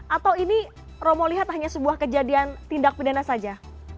atau ini romo lihat hanya sebuah kejadian tindak pidana saja